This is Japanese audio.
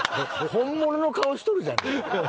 本物の顔しとるじゃない。